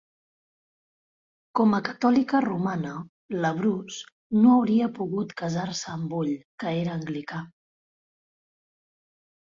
Com a catòlica romana, LaBrosse no hauria pogut casar-se amb Bull, que era anglicà.